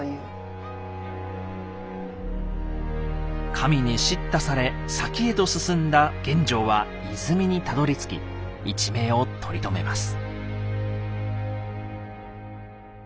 神に叱咤され先へと進んだ玄奘は泉にたどりつき一命を取り留めます。